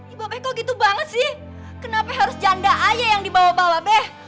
ibu beko gitu banget sih kenapa harus janda aja yang dibawa bawa beh